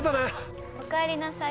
おかえりなさい。